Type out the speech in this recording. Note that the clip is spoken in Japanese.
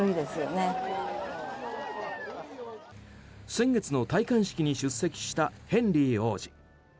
先月の戴冠式に出席したヘンリー王子。